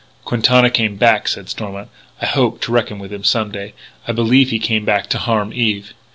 "Quintana came back," said Stormont. "I hope to reckon with him some day.... I believe he came back to harm Eve....